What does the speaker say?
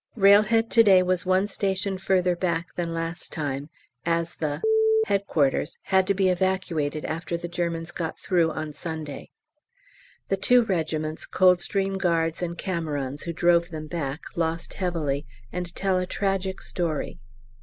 Railhead to day was one station further back than last time, as the Headquarters had to be evacuated after the Germans got through on Sunday. The two regiments, Coldstream Guards and Camerons, who drove them back, lost heavily and tell a tragic story.